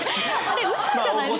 ウソじゃないですか？